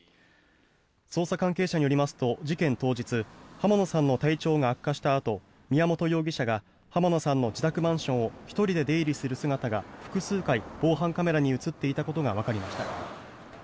捜査関係者によりますと事件当日、浜野さんの体調が悪化したあと宮本容疑者が浜野さんの自宅マンションを１人で出入りする姿が複数回防犯カメラに映っていたことがわかりました。